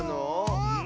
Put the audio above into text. うん。